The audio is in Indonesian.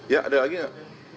ya ada lagi gak